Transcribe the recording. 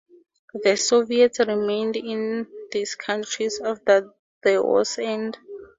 The Soviets remained in these countries after the war's end.